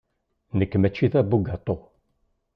Nekk maci d abugaṭu.